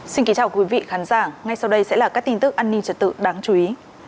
xin kính chào quý vị khán giả ngay sau đây sẽ là các tin tức an ninh trật tự đáng chú ý